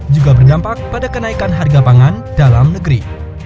juga berdampak pada kenaikan harga pangan dalam negeri